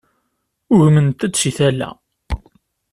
Ugment-d si tala.